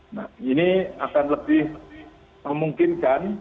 nah ini akan lebih memungkinkan